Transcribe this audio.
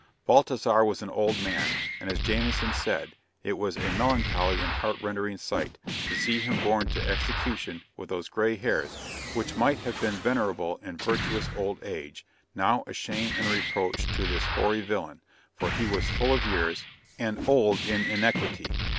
Baltizar was an old man, and as Jamieson said, it was a melancholy and heart rending sight, to see him borne to execution with those gray hairs, which might have been venerable in virtuous old age, now a shame and reproach to this hoary villain, for he was full of years, and old in iniquity.